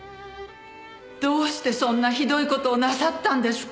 どうしてそんなひどい事をなさったんですか？